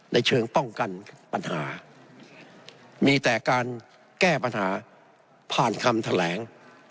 ในเชิงป้องกันปัญหามีแต่การแก้ปัญหาผ่านคำแถลง